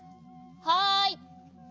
はい。